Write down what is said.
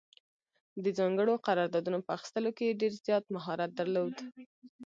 د ځانګړو قراردادونو په اخیستلو کې یې ډېر مهارت درلود.